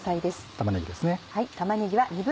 玉ねぎですね。